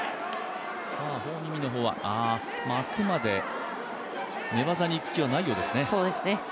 ホ・ミミのほうはあくまで寝技にいくことはないようですね。